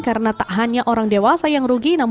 karena tak hanya orang dewasa yang rugi